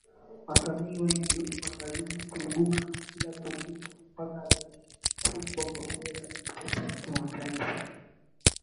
Wasanii wengi wakazidi kuibuka kila kukicha mpaka leo hii Bongo Fleva inapepea kimataifa